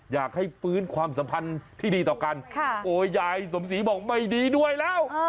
อยากให้ฟื้นความสัมพันธ์ที่ดีต่อกันโอ้ยยายสมศรีบอกไม่ดีด้วยแล้ว